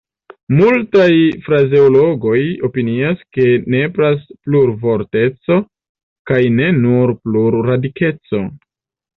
Multaj frazeologoj opinias, ke nepras plurvorteco kaj ne nur plurradikeco.